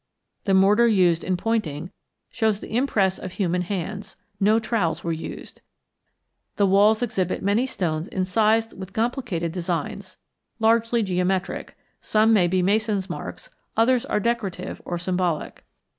The mortar used in pointing shows the impress of human hands; no trowels were used. The walls exhibit many stones incised with complicated designs, largely geometric; some may be mason's marks; others are decorative or symbolic.